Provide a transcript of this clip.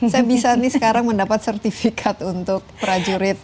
saya bisa nih sekarang mendapat sertifikat untuk prajurit